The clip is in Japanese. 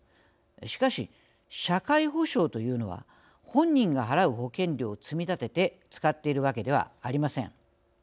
しかし社会保障というのは本人が払う保険料を積み立てて使っているわけではありません。